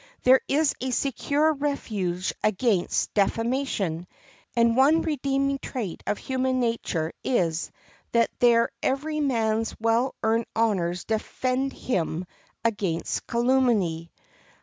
There is a secure refuge against defamation, and one redeeming trait of human nature is that there every man's well earned honors defend him against calumny.